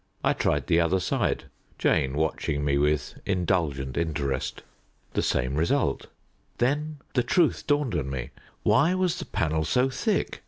I tried the other side, Jane watching me with indulgent interest. The same result. Then the truth dawned on me. Why was the panel so thick?